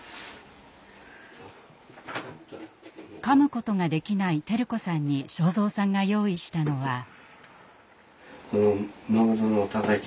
かむことができない輝子さんに昭蔵さんが用意したのは。